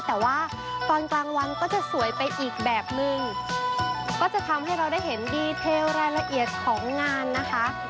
แต่ว่าตอนกลางวันก็จะสวยไปอีกแบบนึงก็จะทำให้เราได้เห็นดีเทลรายละเอียดของงานนะคะ